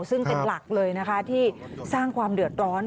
ซึ่งเป็นหลักเลยนะคะที่สร้างความเดือดร้อน